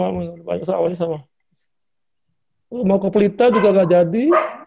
mau ke pelita juga gak jadi